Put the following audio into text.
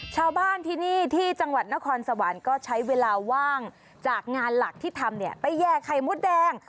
ชาวบ้านที่นี่ที่จังหวัดนครสวรรค์ก็ใช้เวลาว่างจากงานหลักที่ทำเนี่ยไปแย่ไข่มดแดง